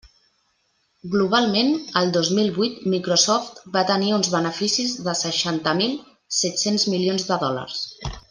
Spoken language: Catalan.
Globalment, el dos mil vuit Microsoft va tenir uns beneficis de seixanta mil set-cents milions de dòlars.